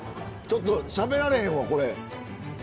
ちょっとしゃべられへんわこれ。